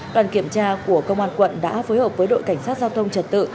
đoàn kiểm tra của công an quận đã phối hợp với đội cảnh sát giao thông trật tự